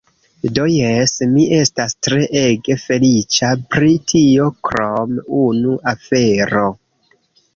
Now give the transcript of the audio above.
Do, jes, mi estas tre ege feliĉa pri tio krom unu afero!